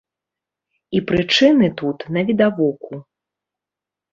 І прычыны тут навідавоку.